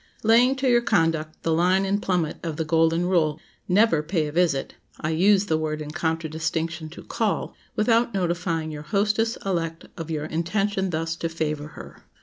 LAYING to your conduct the line and plummet of the Golden Rule, never pay a visit (I use the word in contradistinction to "call") without notifying your hostess elect of your intention thus to favor her.